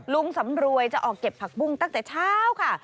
ลุงสำรวยจะออกเก็บผักบุ้งตั้งแต่เช้าค่ะ